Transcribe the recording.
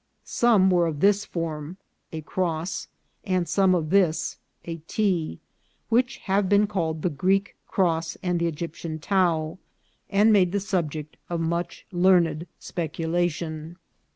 Some were of this form c[}=), and some of this ""U"1, which have been called the Greek Cross and the Egyptian Tau, and made the subject of much learned speculation.